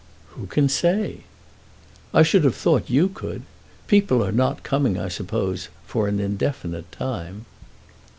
"Who can say?" "I should have thought you could. People are not coming, I suppose, for an indefinite time."